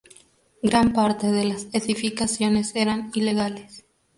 Gran parte de las edificaciones eran ilegales.